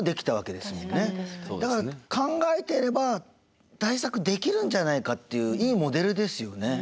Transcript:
だから考えていれば対策できるんじゃないかといういいモデルですよね。